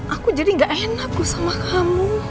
aku jadi gak enak gue sama kamu